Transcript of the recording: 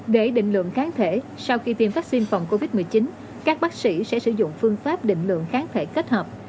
để định lượng kháng thể sau khi tiêm vaccine phòng covid một mươi chín các bác sĩ sẽ sử dụng phương pháp định lượng kháng thể kết hợp